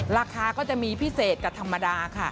ราคาก็จะมีพิเศษกับธรรมดาค่ะ